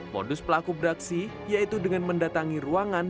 modus pelaku beraksi yaitu dengan mendatangi ruangan